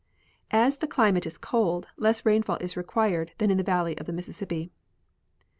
As the climate is cold, less rainfall is required than in the valley of the Mississippi.